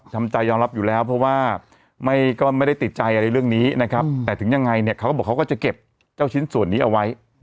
ทำใจยอมรับอยู่แล้วเพราะว่าก็ไม่ได้ติดใจอะไรเรื่องนี้นะครับแต่ถึงยังไงเนี่ยเขาก็บอกเขาก็จะเก็บเจ้าชิ้นส่วนนี้เอาไว้